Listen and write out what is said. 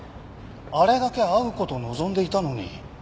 あれだけ会う事を望んでいたのに。